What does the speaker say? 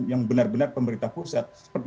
yang benar benar pemerintah pusat